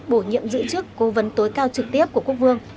bổ nhiệm giữ chức cố vấn tối cao trực tiếp của quốc vương